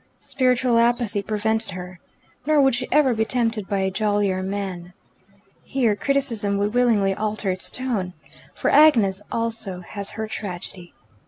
Spiritual apathy prevented her. Nor would she ever be tempted by a jollier man. Here criticism would willingly alter its tone. For Agnes also has her tragedy.